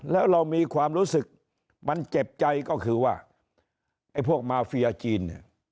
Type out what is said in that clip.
แล้วเรามีความรู้สึกมันเจ็บใจก็คือว่าไอ้พวกมาเฟียจีนเนี่ย